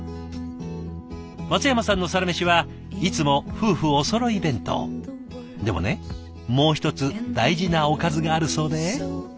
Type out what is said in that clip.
松山さんのサラメシはいつもでもねもう一つ大事なおかずがあるそうで。